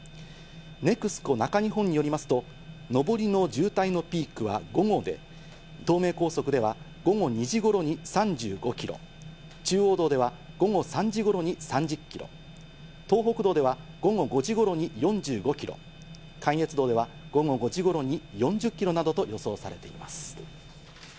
ＮＥＸＣＯ中日本によりますと、上りの渋滞のピークは午後で、東名高速では午後２時頃に３５キロ、中央道では午後３時頃に３０キロ、東北道では午後５時頃に４５キロ、関越道では午後５時頃に４０キロなどと予想されています。